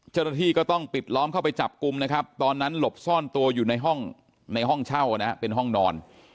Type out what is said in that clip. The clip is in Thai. เจ้าหน้าที่ก็ต้องปิดล้อมเข้าไปจับกลุ่มนะครับตอนนั้นหลบซ่อนตัวอยู่ในห้องในห้องเช่านะฮะเป็นห้องนอน